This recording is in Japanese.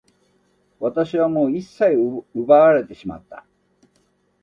私はもう一切を奪われてしまった。